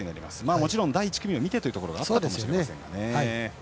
もちろん第１組を見てというところもあったかもしれませんが。